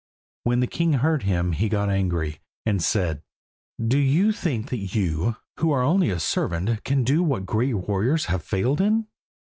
When the king heard him, he got angry, and said "Do you think that you, who are only a servant, can do what great warriors have failed in?"